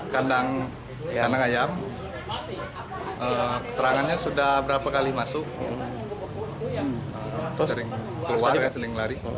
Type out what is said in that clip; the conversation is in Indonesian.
kandang kandang ayam keterangannya sudah berapa kali masuk sering keluar sering lari